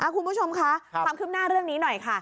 คุณผู้ชมคะความคืบหน้าเรื่องนี้หน่อยค่ะ